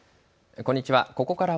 こんにちは。